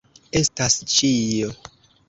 Estas ĉio.